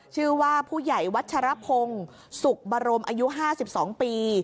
ชื่อว่าผู้ใหญ่วัชรพงศ์สุขบรมอายุ๕๒ปี